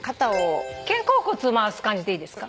肩甲骨回す感じでいいですか？